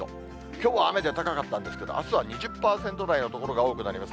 きょうは雨で高かったんですけれども、あすは２０％台の所が多くなります。